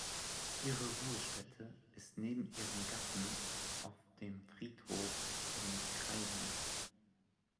Ihre Ruhestätte ist neben ihrem Gatten auf dem Friedhof in Krailling.